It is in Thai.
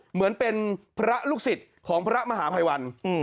เหมือนเป็นพระลูกศิษย์ของพระมหาภัยวัน